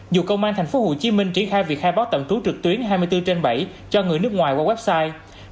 dù công an thành phố hồ chí minh triển khai việc khai báo tạm trú trực tuyến hai mươi bốn trên bảy cho người nước ngoài qua website